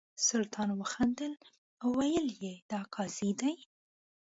سلطان وخندل او ویل یې دا قاضي دی.